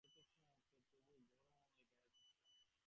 চোখের সম্মুখে তবু ঘরময় বেড়াইতেছ।